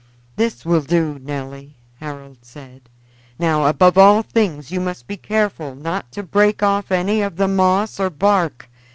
"This will do, Nelly," Harold said. "Now, above all things you must be careful not to break off any of the moss or bark.